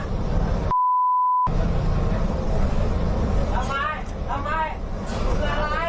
ทำไมทำไมคืออะไร